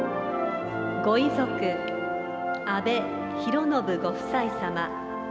ご遺族、安倍寛信ご夫妻様。